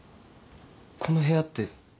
この部屋って。